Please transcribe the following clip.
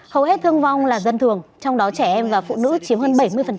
hầu hết thương vong là dân thường trong đó trẻ em và phụ nữ chiếm hơn bảy mươi